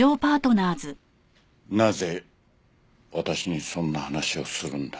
なぜ私にそんな話をするんだ？